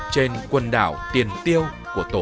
trên quần đảo tiền tiêu của tổ quốc